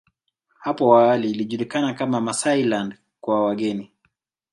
Hapo awali ilijulikana kama Maasailand kwa wageni